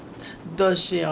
「どうしよう」？